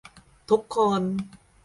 ทุกคน